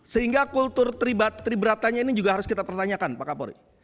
sehingga kultur triberatannya ini juga harus kita pertanyakan pak kapolri